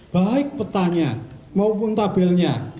baik petahnya maupun tabelnya